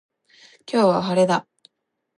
今日は、晴れだ。